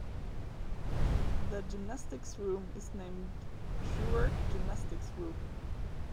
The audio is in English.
The gymnastics room is named Shuhwerk Gymnastics Room.